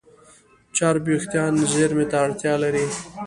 چرب وېښتيان زېرمه ته اړتیا لري.